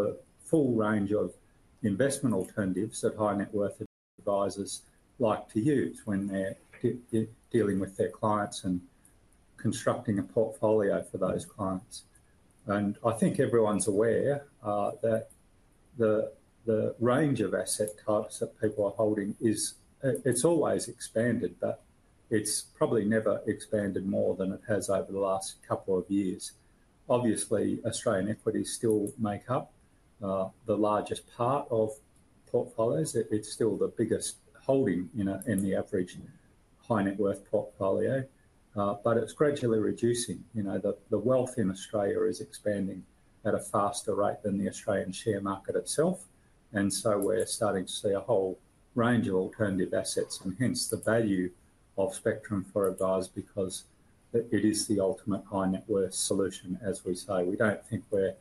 The full range of investment alternatives that high net worth advisers like to use when they're dealing with their clients and constructing a portfolio for those clients, and I think everyone's aware that the range of asset types that people are holding is, it's always expanded, but it's probably never expanded more than it has over the last couple of years. Obviously, Australian equities still make up the largest part of portfolios. It's still the biggest holding in the average high net worth portfolio, but it's gradually reducing. The wealth in Australia is expanding at a faster rate than the Australian share market itself, and so we're starting to see a whole range of alternative assets, and hence the value of Spectrum for Advisers because it is the ultimate high net worth solution, as we say. We don't think we're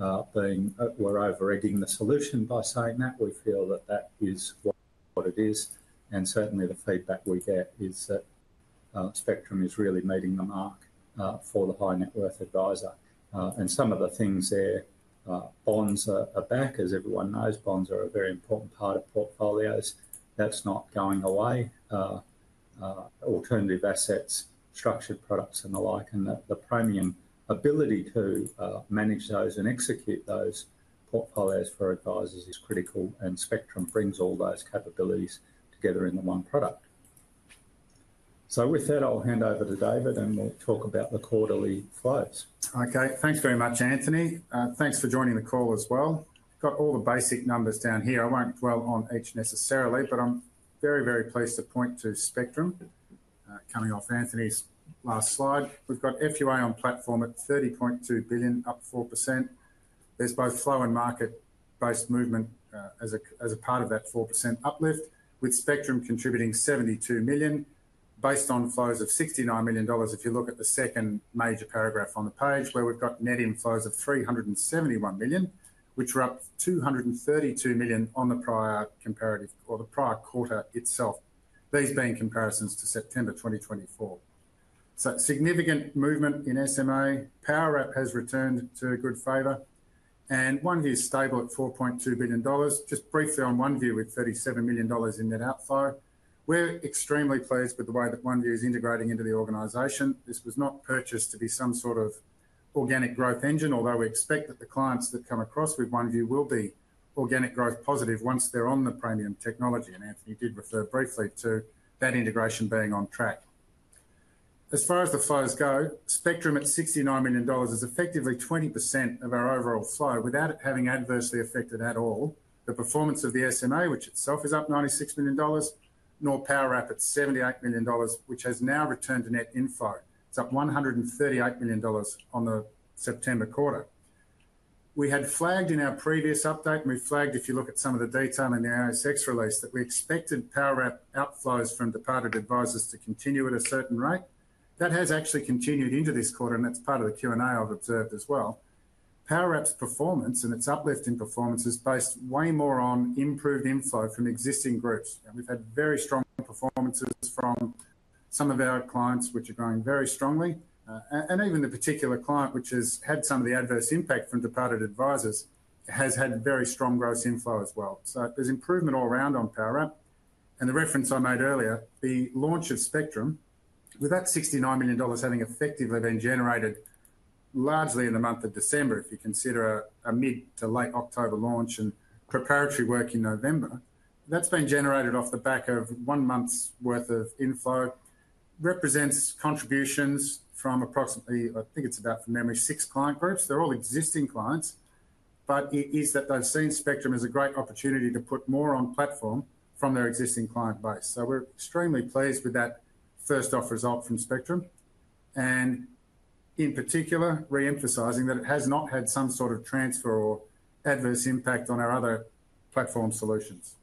overstating the solution by saying that. We feel that that is what it is. Certainly, the feedback we get is that Spectrum is really meeting the mark for the high net worth adviser. Some of the things there, bonds are back, as everyone knows. Bonds are a very important part of portfolios. That's not going away. Alternative assets, structured products, and the like. The Praemium ability to manage those and execute those portfolios for advisers is critical, and Spectrum brings all those capabilities together in the one product. With that, I'll hand over to David, and we'll talk about the quarterly flows. Okay. Thanks very much, Anthony. Thanks for joining the call as well. Got all the basic numbers down here. I won't dwell on each necessarily, but I'm very, very pleased to point to Spectrum coming off Anthony's last slide. We've got FUA on platform at 30.2 billion, up 4%. There's both flow and market-based movement as a part of that 4% uplift, with Spectrum contributing 72 million. Based on flows of 69 million dollars, if you look at the second major paragraph on the page, where we've got net inflows of 371 million, which were up 232 million on the prior comparative or the prior quarter itself, these being comparisons to September 2024. So significant movement in SMA. Powerwrap has returned to good favor, and OneVue is stable at 4.2 billion dollars. Just briefly on OneVue with 37 million dollars in net outflow. We're extremely pleased with the way that OneVue is integrating into the organization. This was not purchased to be some sort of organic growth engine, although we expect that the clients that come across with OneVue will be organic growth positive once they're on the Praemium technology. Anthony did refer briefly to that integration being on track. As far as the flows go, Spectrum at 69 million dollars is effectively 20% of our overall flow without it having adversely affected at all the performance of the SMA, which itself is up 96 million dollars, nor Powerwrap at 78 million dollars, which has now returned to net inflow. It's up 138 million dollars on the September quarter. We had flagged in our previous update, and we flagged, if you look at some of the detail in the ASX release, that we expected Powerwrap outflows from departed advisers to continue at a certain rate. That has actually continued into this quarter, and that's part of the Q&A I've observed as well. Powerwrap's performance and its uplift in performance is based way more on improved inflow from existing groups. We've had very strong performances from some of our clients, which are going very strongly. And even the particular client, which has had some of the adverse impact from departed advisers, has had very strong gross inflow as well. So there's improvement all around on Powerwrap. And the reference I made earlier, the launch of Spectrum, with that 69 million dollars having effectively been generated largely in the month of December, if you consider a mid to late October launch and preparatory work in November, that's been generated off the back of one month's worth of inflow, represents contributions from approximately, I think it's about, from memory, six client groups. They're all existing clients, but it is that they've seen Spectrum as a great opportunity to put more on platform from their existing client base. So we're extremely pleased with that first-off result from Spectrum, and in particular, reemphasizing that it has not had some sort of transfer or adverse impact on our other platform solutions.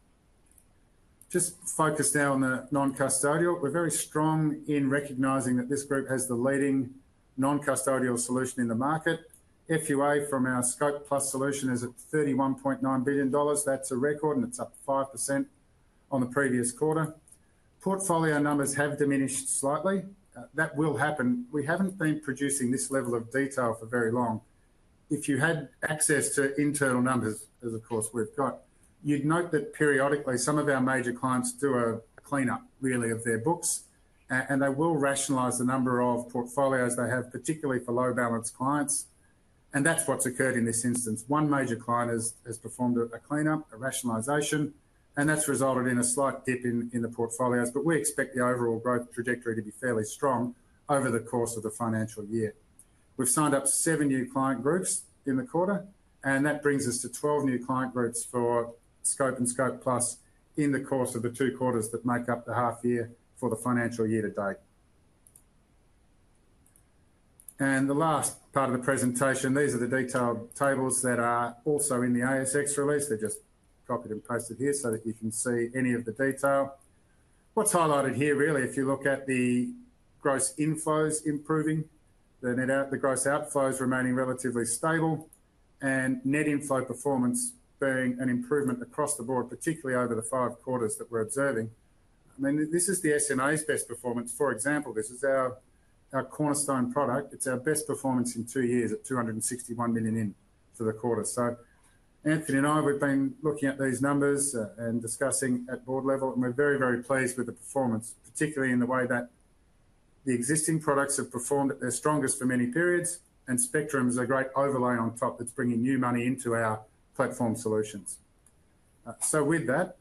Just focus now on the non-custodial. We're very strong in recognizing that this group has the leading non-custodial solution in the market. FUA from our Scope+ solution is at 31.9 billion dollars. That's a record, and it's up 5% on the previous quarter. Portfolio numbers have diminished slightly. That will happen. We haven't been producing this level of detail for very long. If you had access to internal numbers, as of course we've got, you'd note that periodically some of our major clients do a cleanup, really, of their books, and they will rationalize the number of portfolios they have, particularly for low-balanced clients. And that's what's occurred in this instance. One major client has performed a cleanup, a rationalization, and that's resulted in a slight dip in the portfolios, but we expect the overall growth trajectory to be fairly strong over the course of the financial year. We've signed up seven new client groups in the quarter, and that brings us to 12 new client groups for VMA and VMAAS in the course of the two quarters that make up the half year for the financial year to date. And the last part of the presentation, these are the detailed tables that are also in the ASX release. They're just copied and pasted here so that you can see any of the detail. What's highlighted here, really, if you look at the gross inflows improving, the net out, the gross outflows remaining relatively stable, and net inflow performance being an improvement across the board, particularly over the five quarters that we're observing. I mean, this is the SMA's best performance. For example, this is our cornerstone product. It's our best performance in two years at 261 million in for the quarter. So Anthony and I, we've been looking at these numbers and discussing at board level, and we're very, very pleased with the performance, particularly in the way that the existing products have performed at their strongest for many periods, and Spectrum's a great overlay on top that's bringing new money into our platform solutions. So with that,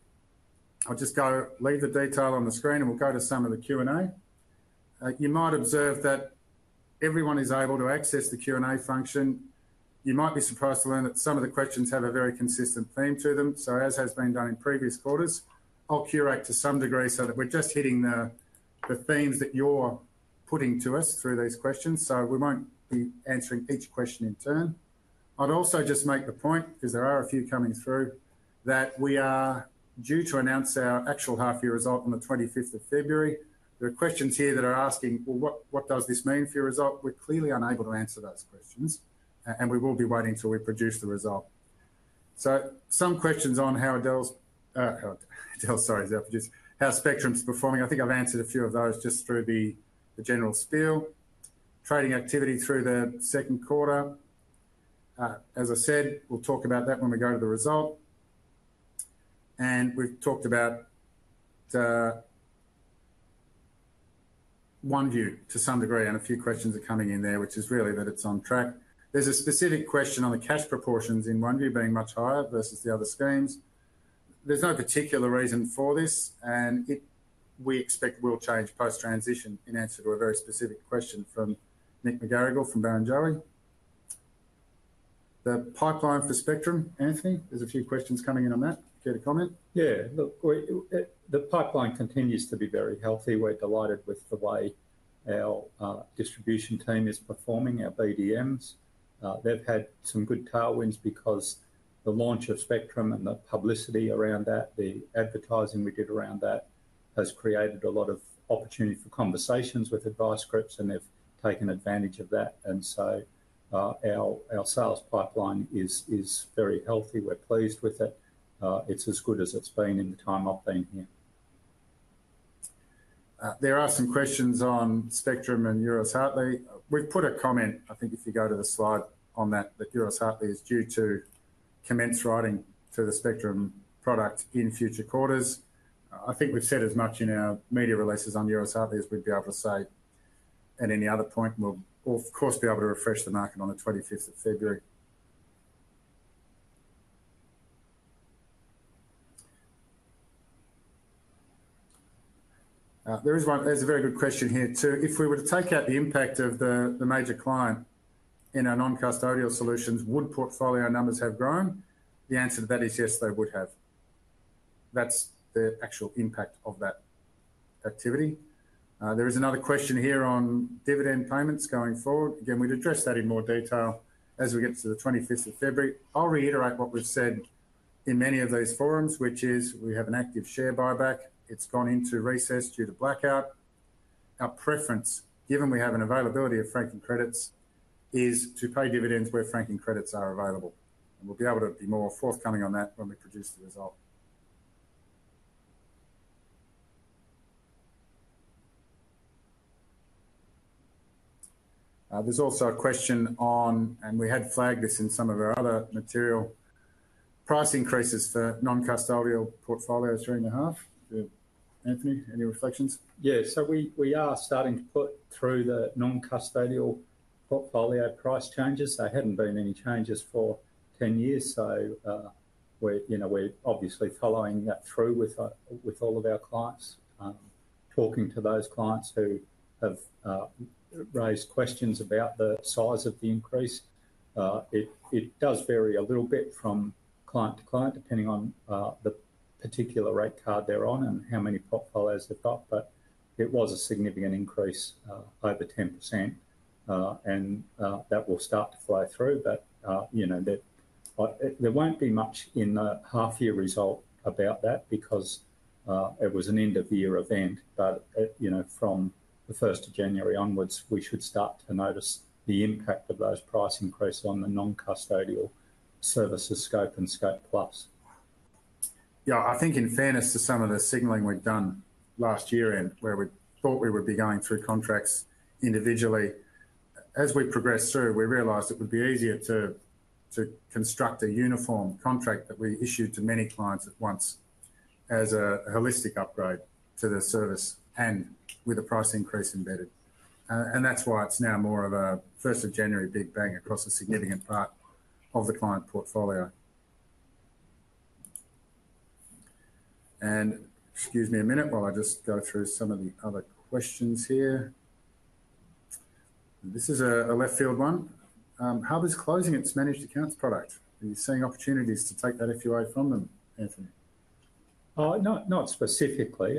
I'll just go leave the detail on the screen, and we'll go to some of the Q&A. You might observe that everyone is able to access the Q&A function. You might be surprised to learn that some of the questions have a very consistent theme to them, so as has been done in previous quarters, I'll curate to some degree so that we're just hitting the themes that you're putting to us through these questions, so we won't be answering each question in turn. I'd also just make the point, because there are a few coming through, that we are due to announce our actual half-year result on the 25th of February. There are questions here that are asking, "Well, what does this mean for your result?" We're clearly unable to answer those questions, and we will be waiting till we produce the result. So some questions on how Spectrum's performing. I think I've answered a few of those just through the general spiel. Trading activity through the second quarter. As I said, we'll talk about that when we go to the result. And we've talked about OneVue to some degree, and a few questions are coming in there, which is really that it's on track. There's a specific question on the cash proportions in OneVue being much higher versus the other schemes. There's no particular reason for this, and we expect will change post-transition in answer to a very specific question from Nick McGarrigle from Barrenjoey. The pipeline for Spectrum, Anthony, there's a few questions coming in on that. Do you have a comment? Yeah. Look, the pipeline continues to be very healthy. We're delighted with the way our distribution team is performing, our BDMs. They've had some good tailwinds because the launch of Spectrum and the publicity around that, the advertising we did around that has created a lot of opportunity for conversations with advice groups, and they've taken advantage of that, and so our sales pipeline is very healthy. We're pleased with it. It's as good as it's been in the time I've been here. There are some questions on Spectrum and Euroz Hartleys. We've put a comment, I think if you go to the slide on that, that Euroz Hartleys is due to commence writing to the Spectrum product in future quarters. I think we've said as much in our media releases on Euroz Hartleys as we'd be able to say at any other point. We'll, of course, be able to refresh the market on the 25th of February. There's a very good question here too. If we were to take out the impact of the major client in our non-custodial solutions, would portfolio numbers have grown? The answer to that is yes, they would have. That's the actual impact of that activity. There is another question here on dividend payments going forward. Again, we'd address that in more detail as we get to the 25th of February. I'll reiterate what we've said in many of those forums, which is we have an active share buyback. It's gone into recess due to blackout. Our preference, given we have an availability of franking credits, is to pay dividends where franking credits are available, and we'll be able to be more forthcoming on that when we produce the result. There's also a question on, and we had flagged this in some of our other material, price increases for non-custodial portfolios during the half. Anthony, any reflections? Yeah. So we are starting to put through the non-custodial portfolio price changes. There hadn't been any changes for 10 years, so we're obviously following that through with all of our clients, talking to those clients who have raised questions about the size of the increase. It does vary a little bit from client to client, depending on the particular rate card they're on and how many portfolios they've got, but it was a significant increase over 10%, and that will start to flow through. But there won't be much in the half-year result about that because it was an end-of-year event, but from the 1st of January onwards, we should start to notice the impact of those price increases on the non-custodial services, Scope and Scope+. Yeah. I think in fairness to some of the signaling we've done last year and where we thought we would be going through contracts individually, as we progressed through, we realized it would be easier to construct a uniform contract that we issued to many clients at once as a holistic upgrade to the service and with a price increase embedded. And that's why it's now more of a 1st of January big bang across a significant part of the client portfolio. And excuse me a minute while I just go through some of the other questions here. This is a left-field one. How does closing its managed accounts product? Are you seeing opportunities to take that FUA from them, Anthony? Not specifically.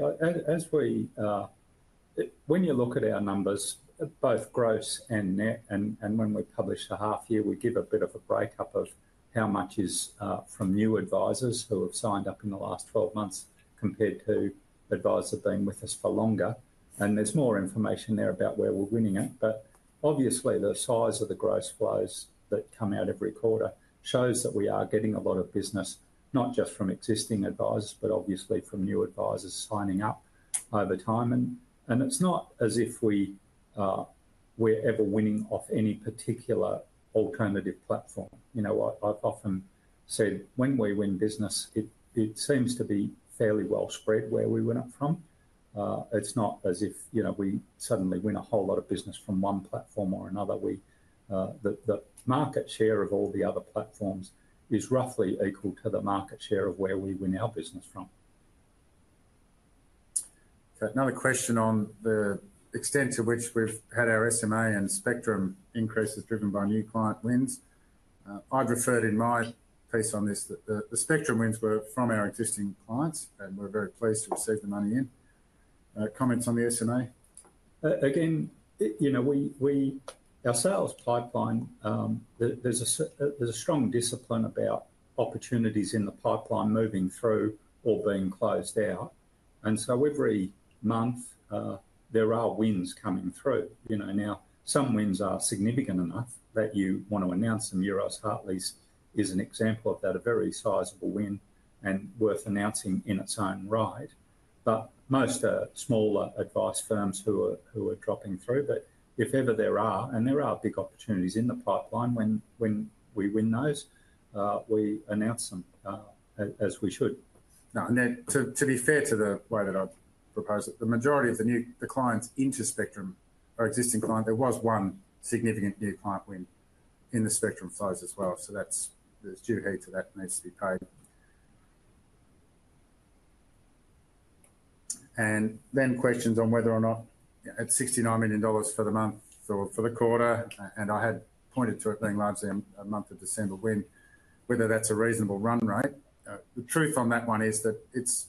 When you look at our numbers, both gross and net, and when we publish the half-year, we give a bit of a breakdown of how much is from new advisers who have signed up in the last 12 months compared to advisers that have been with us for longer. And there's more information there about where we're winning from, but obviously the size of the gross flows that come out every quarter shows that we are getting a lot of business, not just from existing advisers, but obviously from new advisers signing up over time. And it's not as if we're ever winning from any particular alternative platform. I've often said when we win business, it seems to be fairly well spread where we win from. It's not as if we suddenly win a whole lot of business from one platform or another. The market share of all the other platforms is roughly equal to the market share of where we win our business from. Another question on the extent to which we've had our SMA and Spectrum increases driven by new client wins. I'd referred in my piece on this that the Spectrum wins were from our existing clients, and we're very pleased to receive the money in. Comments on the SMA? Again, our sales pipeline, there's a strong discipline about opportunities in the pipeline moving through or being closed out. So every month, there are wins coming through. Now, some wins are significant enough that you want to announce them. Euroz Hartleys is an example of that, a very sizable win and worth announcing in its own right. Most are smaller advice firms who are dropping through. If ever there are big opportunities in the pipeline when we win those, we announce them as we should. To be fair to the way that I propose it, the majority of the clients into Spectrum are existing clients. There was one significant new client win in the Spectrum flows as well, so there's due heed to that and needs to be paid, and then questions on whether or not at $69 million for the month or for the quarter, and I had pointed to it being largely a month of December win, whether that's a reasonable run rate. The truth on that one is that it's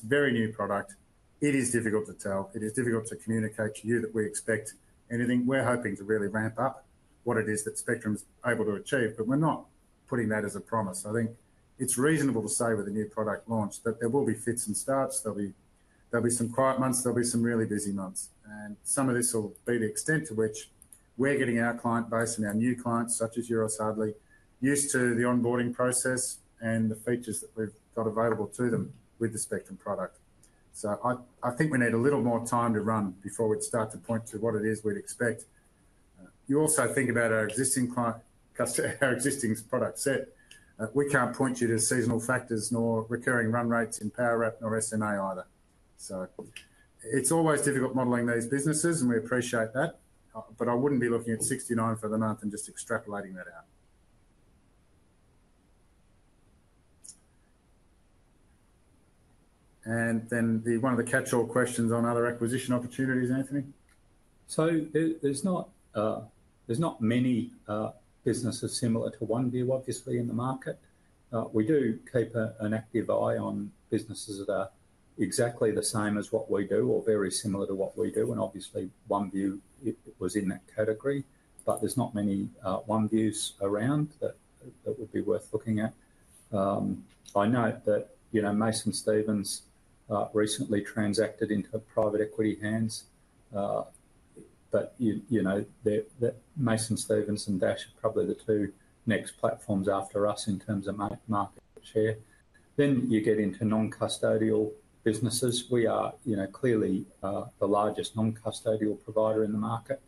very new product. It is difficult to tell. It is difficult to communicate to you that we expect anything. We're hoping to really ramp up what it is that Spectrum's able to achieve, but we're not putting that as a promise. I think it's reasonable to say with the new product launch that there will be fits and starts. There'll be some quiet months. There'll be some really busy months. And some of this will be the extent to which we're getting our client base and our new clients, such as Euroz Hartleys, used to the onboarding process and the features that we've got available to them with the Spectrum product. So I think we need a little more time to run before we'd start to point to what it is we'd expect. You also think about our existing product set. We can't point you to seasonal factors nor recurring run rates in Powerwrap nor SMA either. So it's always difficult modeling these businesses, and we appreciate that, but I wouldn't be looking at 69 for the month and just extrapolating that out. And then one of the catch-all questions on other acquisition opportunities, Anthony? So there's not many businesses similar to OneVue, obviously, in the market. We do keep an active eye on businesses that are exactly the same as what we do or very similar to what we do. And obviously, OneVue was in that category, but there's not many OneVues around that would be worth looking at. I note that Mason Stevens recently transacted into private equity hands, but Mason Stevens and Dash are probably the two next platforms after us in terms of market share. Then you get into non-custodial businesses. We are clearly the largest non-custodial provider in the market,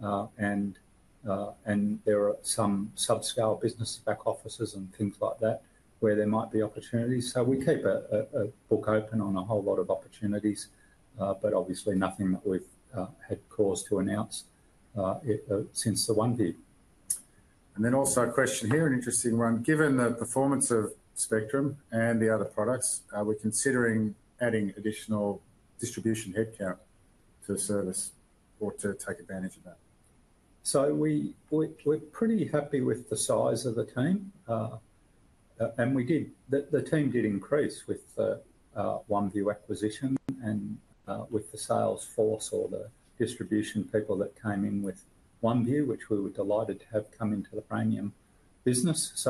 and there are some subscale businesses, back offices, and things like that where there might be opportunities. So we keep a book open on a whole lot of opportunities, but obviously nothing that we've had cause to announce since the OneVue. And then also a question here, an interesting one. Given the performance of Spectrum and the other products, are we considering adding additional distribution headcount to the service or to take advantage of that? We're pretty happy with the size of the team, and the team did increase with the OneVue acquisition and with the sales force or the distribution people that came in with OneVue, which we were delighted to have come into the Praemium business.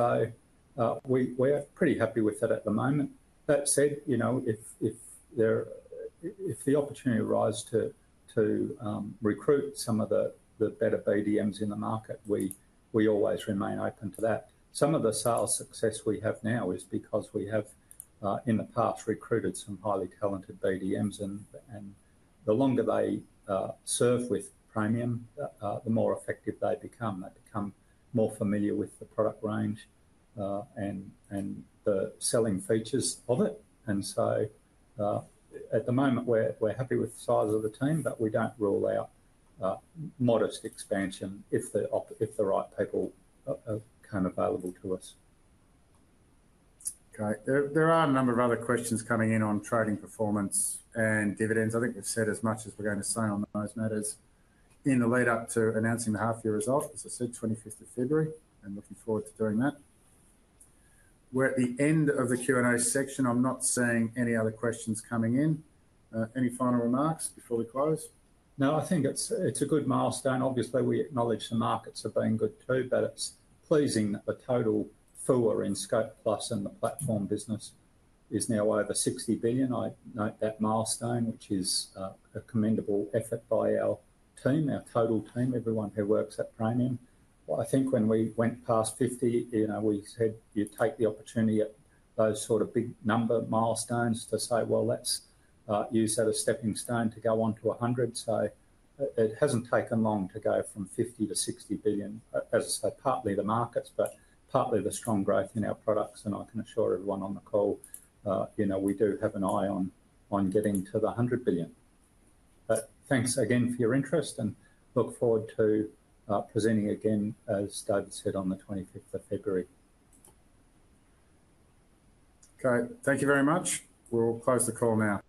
We're pretty happy with that at the moment. That said, if the opportunity arises to recruit some of the better BDMs in the market, we always remain open to that. Some of the sales success we have now is because we have, in the past, recruited some highly talented BDMs, and the longer they serve with Praemium, the more effective they become. They become more familiar with the product range and the selling features of it. And so at the moment, we're happy with the size of the team, but we don't rule out modest expansion if the right people come available to us. Great. There are a number of other questions coming in on trading performance and dividends. I think we've said as much as we're going to say on those matters. In the lead-up to announcing the half-year result, as I said, 25th of February, and looking forward to doing that. We're at the end of the Q&A section. I'm not seeing any other questions coming in. Any final remarks before we close? No, I think it's a good milestone. Obviously, we acknowledge the markets have been good too, but it's pleasing that the total FUA in Scope+ in the platform business is now over 60 billion. I note that milestone, which is a commendable effort by our team, our total team, everyone who works at Praemium. I think when we went past 50, we said you take the opportunity at those sort of big number milestones to say, "Well, let's use that as a stepping stone to go on to 100." So it hasn't taken long to go from 50 billion to 60 billion, as I say, partly the markets, but partly the strong growth in our products. And I can assure everyone on the call, we do have an eye on getting to the 100 billion. But thanks again for your interest, and look forward to presenting again, as David said, on the 25th of February. Okay. Thank you very much. We'll close the call now.